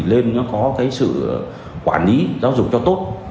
nên có sự quản lý giáo dục cho tốt